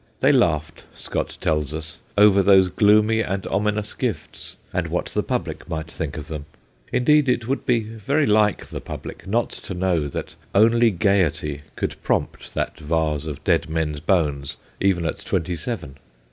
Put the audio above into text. They laughed, Scott tells us, over those gloomy and ominous gifts, and what the public might think of them; indeed, it would be very like the public not to know that only gaiety could prompt that vase of dead men's bones even at twenty seven.